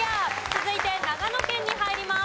続いて長野県に入ります。